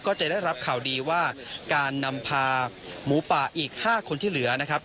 จะได้รับข่าวดีว่าการนำพาหมูป่าอีก๕คนที่เหลือนะครับ